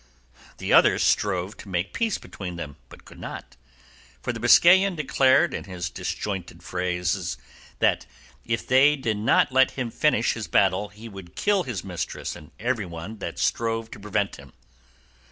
The others strove to make peace between them, but could not, for the Biscayan declared in his disjointed phrase that if they did not let him finish his battle he would kill his mistress and everyone that strove to prevent him.